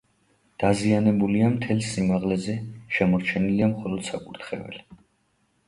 დაზიანებულია, მთელს სიმაღლეზე შემორჩენილია მხოლოდ საკურთხეველი.